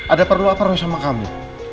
ada perlu apa roy sama kamu